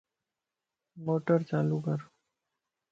موٽر چالو ڪر